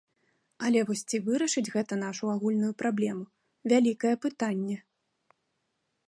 Але вось ці вырашыць гэта нашу агульную праблему, вялікае пытанне.